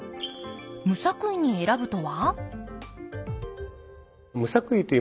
無作為に選ぶとは？